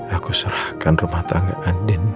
aku serahkan rumah tangga andin